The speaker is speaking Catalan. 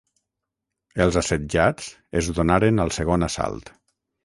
Els assetjats es donaren al segon assalt.